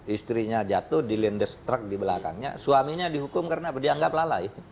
istrinya jatuh di lendes truck di belakangnya suaminya dihukum karena dianggap lalai